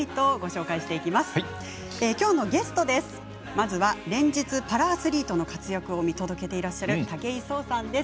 まずは、連日パラアスリートの活躍を見届けてらっしゃる武井壮さんです。